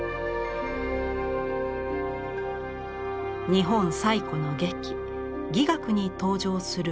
日本最古の劇伎楽に登場する呉公。